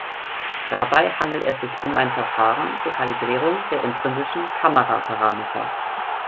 Dabei handelt es sich um ein Verfahren zur Kalibrierung der intrinsischen Kameraparameter.